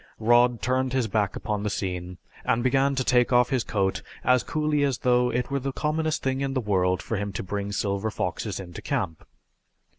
Rod turned his back upon the scene and began to take off his coat as coolly as though it were the commonest thing in the world for him to bring silver foxes into camp.